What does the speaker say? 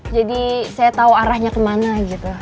saya tahu arahnya kemana gitu